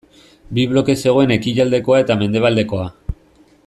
Bi bloke zegoen ekialdekoa eta mendebaldekoa.